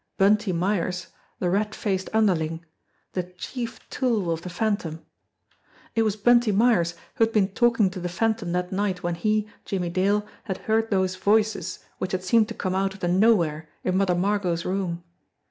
Bunty Myers, the rat faced underling, the chief tool of the Phantom! It was Bunty Myers who had been talking to the Phantom that night when he, Jimmie Dale, had heard those voices which had seemed to come out of the nowhere in Mother Margot's room.